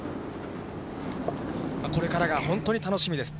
これからが本当に楽しみです。